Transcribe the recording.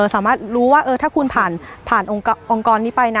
สามารถรู้ว่าถ้าคุณผ่านองค์กรนี้ไปนะ